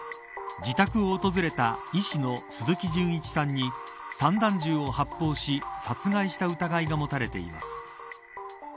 自宅を訪れた医師の鈴木純一さんに散弾銃を発砲し殺害した疑いが持たれています。